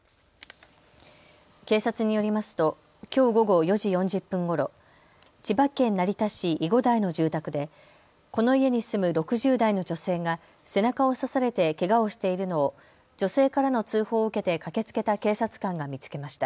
警察によりますときょう午後４時４０分ごろ、千葉県成田市囲護台の住宅でこの家に住む６０代の女性が背中を刺されてけがをしているのを女性からの通報を受けて駆けつけた警察官が見つけました。